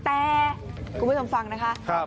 แต่คุณผู้ชมฟังนะคะ